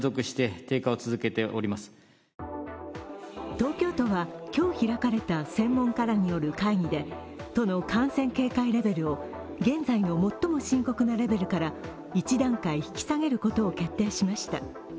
東京都は今日開かれた専門家らによる会議で、都の感染警戒レベルを現在の最も深刻なレベルから１段階引き下げることを決定しました。